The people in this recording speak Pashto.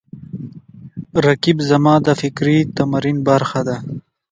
رقیب زما د فکري تمرین برخه ده